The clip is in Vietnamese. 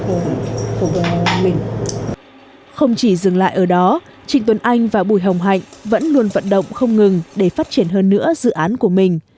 không chỉ dừng lại ở đó trịnh tuấn anh và bùi hồng hạnh vẫn luôn vận động không ngừng để phát triển hơn nữa dự án của mình